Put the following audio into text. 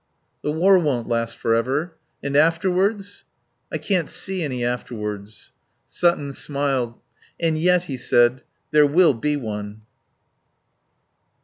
"The war won't last for ever. And afterwards?" "I can't see any afterwards." Sutton smiled. "And yet," he said, "there will be one."